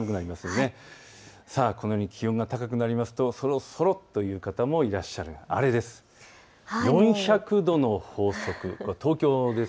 このように気温が高くなりますとそろそろという方もいらっしゃる、あれです。